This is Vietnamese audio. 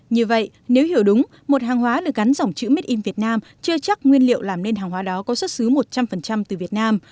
như vậy nếu hiểu đúng một hàng hóa được gắn dòng chữ made in việt nam chưa chắc nguyên liệu làm nên hàng hóa đó có xuất xứ một trăm linh từ việt nam